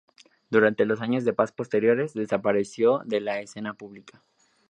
Durante los años de paz posteriores desapareció de la escena pública.